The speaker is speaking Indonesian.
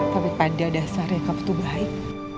tapi pada dasarnya kamu tuh baik